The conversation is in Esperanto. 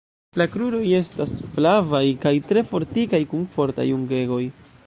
La kruroj estas flavaj kaj tre fortikaj kun fortaj ungegoj.